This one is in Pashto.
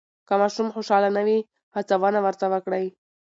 که ماشوم خوشحاله نه وي، هڅونه ورته وکړئ.